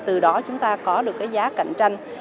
từ đó chúng ta có được giá cạnh tranh